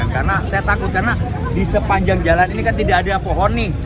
karena saya takut karena di sepanjang jalan ini kan tidak ada pohon nih